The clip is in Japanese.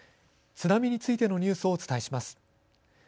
津波についてのニュースをお伝えします。